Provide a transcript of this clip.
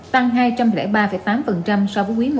tăng hai trăm linh ba tám so với quý i